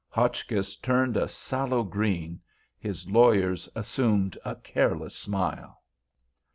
Hotchkiss turned a sallow green. His lawyers assumed a careless smile.